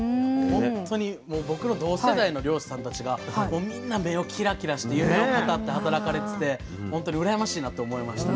ほんとに僕と同世代の漁師さんたちがもうみんな目をキラキラして夢を語って働かれててほんとに羨ましいなと思いました。